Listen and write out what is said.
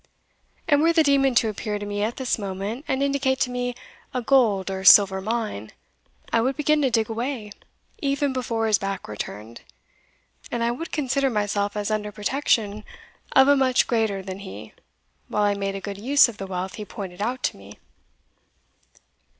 And were the demon to appear to me at this moment, and indicate to me a gold or silver mine, I would begin to dig away even before his back were turned, and I would consider myself as under protection of a much Greater than he, while I made a good use of the wealth he pointed out to me."